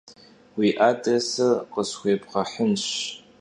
Vui adrêsır khısxuêbğehınş.